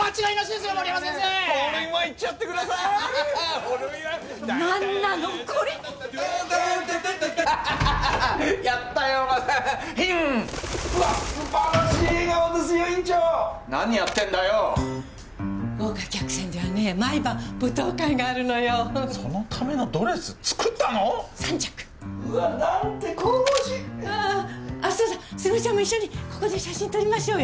そうだ卓ちゃんも一緒にここで写真撮りましょうよ。